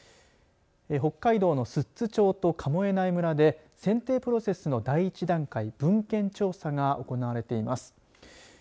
北海道の寿都町と神恵内村で選定プロセスの第１段階文献調査が行われています。